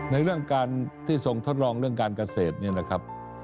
ในเรื่องที่ทรงทดลองเรื่องการเกษตร